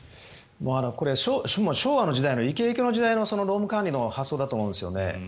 これ、昭和の時代のイケイケの時代の労務管理の発想だと思うんですよね。